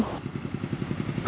khu du lịch sinh thái